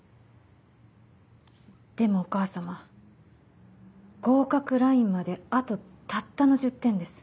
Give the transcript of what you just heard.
でもお母様合格ラインまであとたったの１０点です。